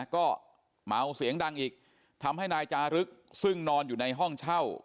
ก็เมาเสียงดังอีกทำให้นายจารึกซึ่งนอนอยู่ในห้องเช่า